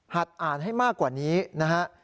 อ่านให้มากกว่านี้นะฮะ